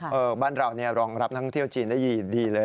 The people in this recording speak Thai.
มีค่ะเออบ้านเรารองรับท่องเที่ยวจีนได้ดีเลย